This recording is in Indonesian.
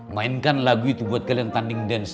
mainkan lagu itu buat kalian tanding dance